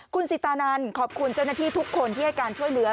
คุณสิตานันขอบคุณเจ้าหน้าที่ทุกคนที่ให้การช่วยเหลือ